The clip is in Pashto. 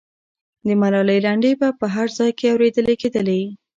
د ملالۍ لنډۍ به په هر ځای کې اورېدلې کېدلې.